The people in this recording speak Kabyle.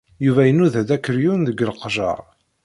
Yuba inuda-d akeryun deg leqjer.